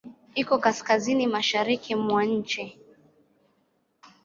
Iko kaskazini-mashariki mwa nchi.